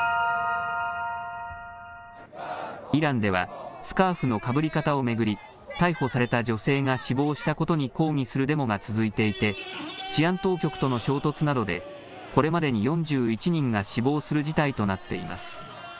イランでは、スカーフのかぶり方を巡り、逮捕された女性が死亡したことに抗議するデモが続いていて、治安当局との衝突などで、これまでに４１人が死亡する事態となっています。